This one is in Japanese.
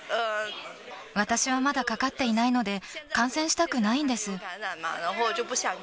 私はまだかかっていないので、感染したくないんです。